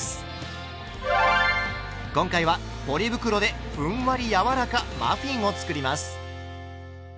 今回はポリ袋でふんわり柔らかマフィンを作ります。